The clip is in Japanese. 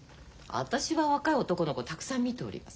私は若い男の子たくさん見ております。